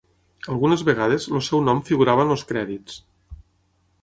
Algunes vegades el seu nom figurava en els crèdits.